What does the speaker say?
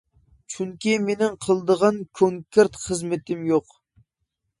چۈنكى مېنىڭ قىلىدىغان كونكرېت خىزمىتىم يوق.